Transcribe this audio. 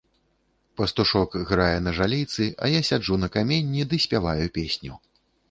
Пастушок грае на жалейцы, а я сяджу на каменні ды спяваю песню.